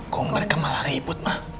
kamu berkemala ribut mah